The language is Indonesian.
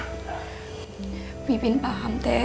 tapi pin paham teh